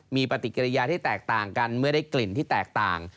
มีปฏิกิริยาที่แตกต่างกันเมื่อได้กลิ่นที่แตกต่าง